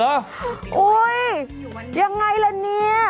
อุ๊ยยังไงละนี่